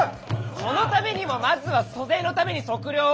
そのためにもまずは租税のために測量を。